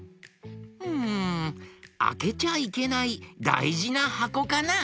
うんあけちゃいけないだいじなはこかな？